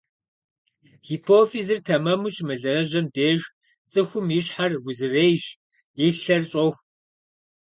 Гипофизыр тэмэму щымылажьэм деж цӀыхум и щхьэр узырейщ, и лъэр щӀоху.